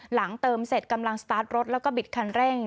เติมเสร็จกำลังสตาร์ทรถแล้วก็บิดคันเร่ง